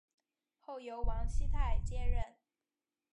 后由王熙泰接任。